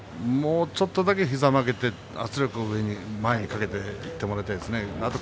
もうちょっとだけ膝を曲げて圧力を前にかけていってもらいたいですね。